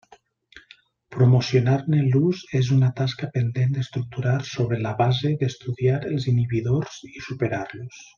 Promocionar-ne l'ús és una tasca pendent d'estructurar sobre la base d'estudiar els inhibidors i superar-los.